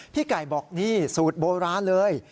พี่ไก่บอกนี่สูตรโบราณเลย